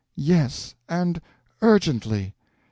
"Yes, and urgently."